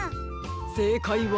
せいかいは。